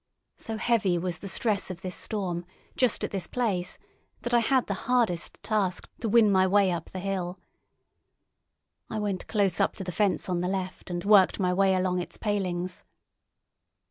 So heavy was the stress of the storm just at this place that I had the hardest task to win my way up the hill. I went close up to the fence on the left and worked my way along its palings.